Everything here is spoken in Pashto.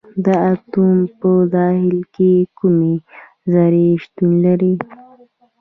د اتوم په داخل کې کومې ذرې شتون لري.